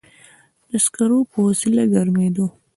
د سکرو په وسیله ګرمېده.